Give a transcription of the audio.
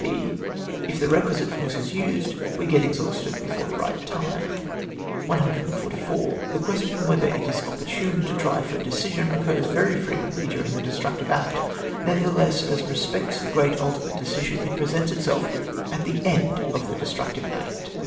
{h.) If the requisite force is used, we get exhausted before the right time. 144. The question whether it is op portune to try for a decision, recurs very frequently during the destructive act; nevertheless, as respects the great ulti mate decision, it presents itself at the end of the destructive act.